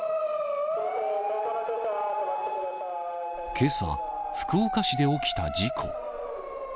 けさ、福岡市で起きた事故。